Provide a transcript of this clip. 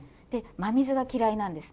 真水が嫌いなんです。